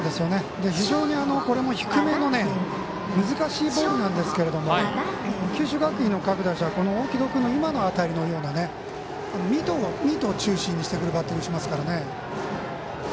非常に、これも低めの難しいボールなんですけど九州学院の各打者、大城戸君の今の当たりのようなミートを中心にしてくるバッティングしますからね。